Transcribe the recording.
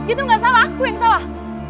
itu gak salah aku yang salah